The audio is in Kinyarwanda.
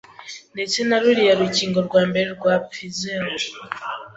ndetse na ruriya rukingo rwa mbere rwa Pfizer